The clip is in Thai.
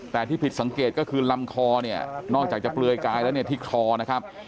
แต่ที่ผิดสังเกตก็คือลำคอเนี่ยนอกจากจะเปลือยกายแล้วเนี่ยที่คอนะครับ